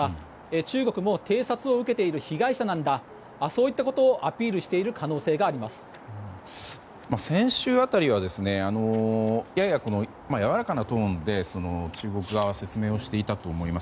中国も偵察を受けている被害者なんだということをアピールしている先週辺りはやや、やわらかなトーンで中国側は説明をしていたと思います。